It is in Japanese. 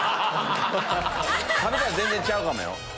食べたら全然ちゃうかもよ。